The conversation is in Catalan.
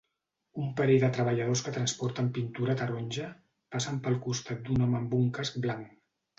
Un parell de treballadors que transporten pintura taronja passen pel costat d'un home amb un casc blanc.